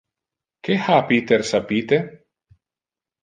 Que ha Peter sapite?